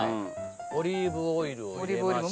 オリーブオイルを入れました。